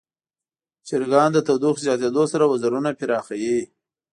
چرګان د تودوخې زیاتیدو سره وزرونه پراخوي.